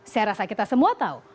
saya rasa kita semua tahu